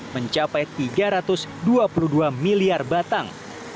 mencapai tiga ratus dua puluh dua miliar batang